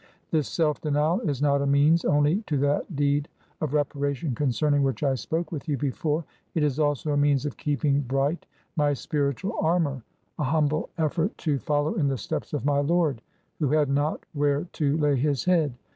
This self denial is not a means only to that deed of reparation concerning which I spoke with you before, it is also a means of keeping bright my spiritual armour :— a humble effort to follow in the steps of my Lord, who had not where to lay his head.